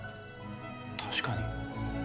確かに。